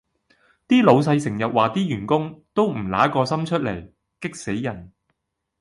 啲老細成日話啲員工：都唔挪個心出嚟，激死人